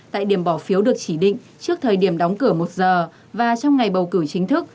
tại điểm bỏ phiếu được chỉ định trước thời điểm đóng cửa một giờ và trong ngày bầu cử chính thức